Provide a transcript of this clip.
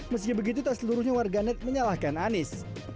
meski begitu tak seluruhnya warganet menyalahkan anies